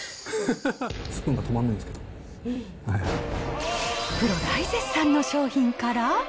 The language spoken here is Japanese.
スプーンが止まんないんですけどプロ大絶賛の商品から。